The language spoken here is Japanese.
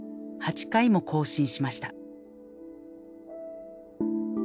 ８回も更新しました。